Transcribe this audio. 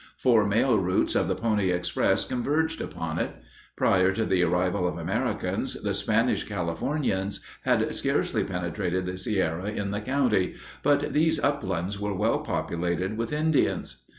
Four mail routes of the Pony Express converged upon it. Prior to the arrival of Americans, the Spanish Californians had scarcely penetrated the Sierra in the county, but these uplands were well populated with Indians.